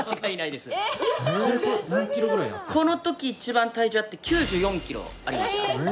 この時一番体重あって９４キロありました。